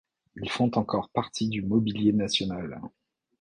Ils font encore partie du Mobilier national.